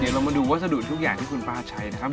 เรามาดูวัสดุทุกอย่างที่คุณป้าใช้นะครับ